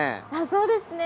そうですね。